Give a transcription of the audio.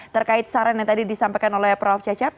terkait saran yang tadi disampaikan oleh prof cecep